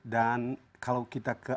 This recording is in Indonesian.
dan kalau kita ke